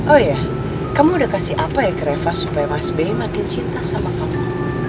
oh iya kamu udah kasih apa ya ke reva supaya mas be makin cinta sama kamu